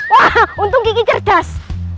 wah untung kiki cerdas